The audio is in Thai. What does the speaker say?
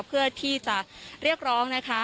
เพื่อที่จะเรียกร้องนะคะ